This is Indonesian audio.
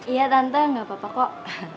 iya tante gak apa apa kok